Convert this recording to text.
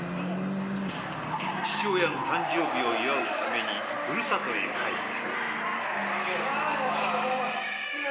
父親の誕生日を祝うためにふるさとへ帰った。